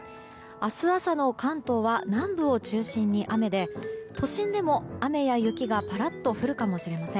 明日朝の関東は南部を中心に雨で都心でも、雨や雪がパラっと降るかもしれません。